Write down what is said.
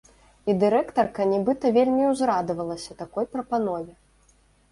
І дырэктарка нібыта вельмі ўзрадавалася такой прапанове.